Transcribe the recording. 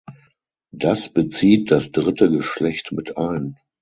Das bezieht das dritte Geschlecht mit ein.